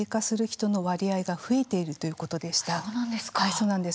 そうなんです。